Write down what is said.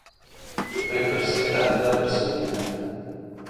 Vê pirsê qet nebirsivîne!